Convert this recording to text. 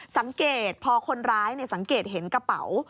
สังเกตพอคนร้ายสังเกตเห็นกระเป๋า